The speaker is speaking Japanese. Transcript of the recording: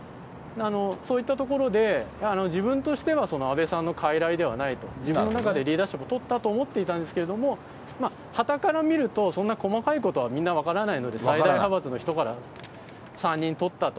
そういったところで、自分としては安倍さんのかいらいではないと、自分の中でリーダーシップを取ったと思っていたんですけれども、端から見ると、そんな細かいことはみんな分からないので、最大派閥の人から３人取ったと。